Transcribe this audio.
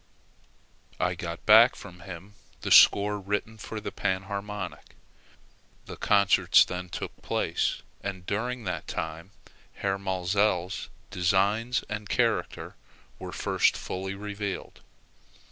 I got back from him the score written for the panharmonica. The concerts then took place, and during that time Herr Maelzel's designs and character were first fully revealed.